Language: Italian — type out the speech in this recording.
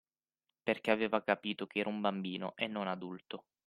Perché aveva capito che era un bambino e non adulto